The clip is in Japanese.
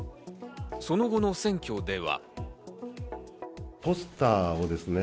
その後の選挙では。